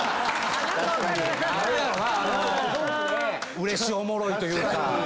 うれしおもろいというか。